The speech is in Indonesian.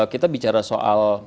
kita bicara soal